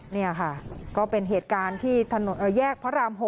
นี่ค่ะก็เป็นเหตุการณ์ที่ถนนแยกพระราม๖